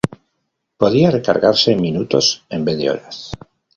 Podía recargarse en minutos en vez de horas.